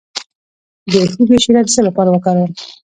د هوږې شیره د څه لپاره وکاروم؟